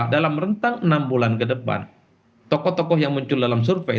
dalam rentang enam bulan ke depan tokoh tokoh yang muncul dalam survei